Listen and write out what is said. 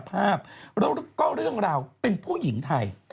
ภาพแล้วก็เรื่องราวเป็นผู้หญิงไทย